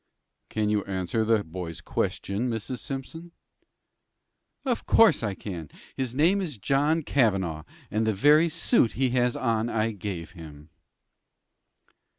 "Can you answer the boy's question, Mrs. Simpson?" "Of course I can. His name is John Cavanaugh, and the very suit he has on I gave him."